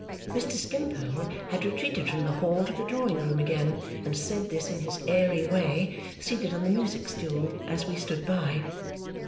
Mr. Skimpole had retreated from the hall to the drawing room again and said this in his airy way, seated on the music stool as we stood by.